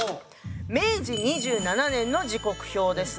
明治２７年の時刻表です。